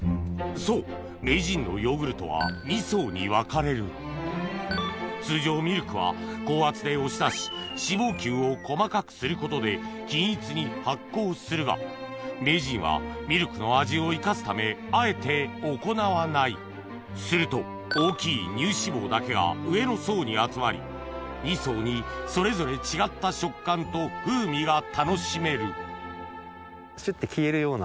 そう名人のヨーグルトは２層に分かれる通常ミルクは高圧で押し出し脂肪球を細かくすることで均一に発酵するが名人はミルクの味を生かすためあえて行わないすると大きい乳脂肪だけが上の層に集まり２層にそれぞれ違った食感と風味が楽しめるシュって消えるような。